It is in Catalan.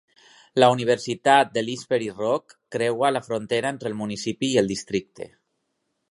La universitat d'Slippery Rock creua la frontera entre el municipi i el districte.